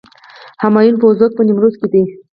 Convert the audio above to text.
هامون پوزک په نیمروز کې دی